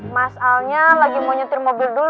mas alnya lagi mau nyetir mobil dulu